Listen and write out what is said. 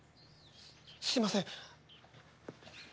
すいません。